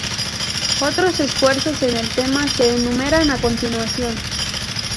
Otros esfuerzos en el tema se enumeran a continuación.